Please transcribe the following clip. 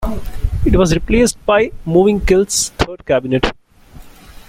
It was replaced by Mowinckel's Third Cabinet.